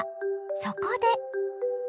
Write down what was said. そこで。